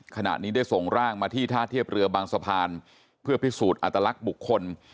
ขณะนี้ได้ส่งร่างมาที่ท่าเทียบเรือบางสะพานเพื่อพิสูจน์อัตลักษณ์บุคคล